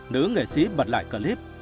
nữ nghệ sĩ bật lại clip